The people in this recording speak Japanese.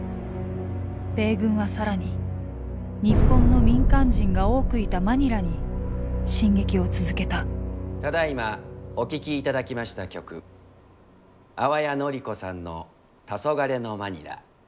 米軍は更に日本の民間人が多くいたマニラに進撃を続けたただいまお聴きいただきました曲淡谷のり子さんの「たそがれのマニラ」